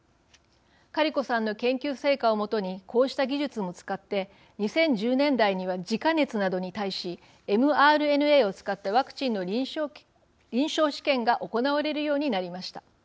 カリコさんの研究成果を基にこうした技術も使って２０１０年代にはジカ熱などに対しｍＲＮＡを使ったワクチンの臨床試験が行われるようになりました。